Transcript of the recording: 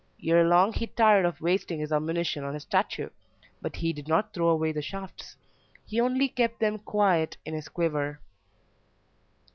Ere long he tired of wasting his ammunition on a statue, but he did not throw away the shafts he only kept them quiet in his quiver.